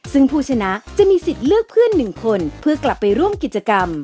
ซึ่งผู้ชนะจะมีสิทธิ์เลือกเพื่อน๑คนเพื่อกลับไปร่วมกิจกรรม